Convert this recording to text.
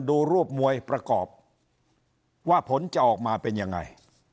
ดูรูปมวยประกอบว่าผลจะออกมาเป็นยังไง